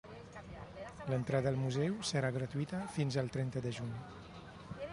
L'entrada al museu serà gratuïta fins al trenta de juny.